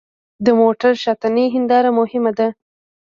د موټر شاتنۍ هېنداره مهمه ده.